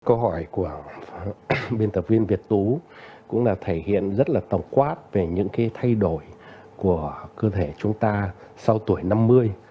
câu hỏi của biên tập viên việt tú cũng là thể hiện rất là tổng quát về những cái thay đổi của cơ thể chúng ta sau tuổi năm mươi